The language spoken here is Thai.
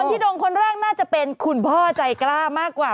ที่โดนคนแรกน่าจะเป็นคุณพ่อใจกล้ามากกว่า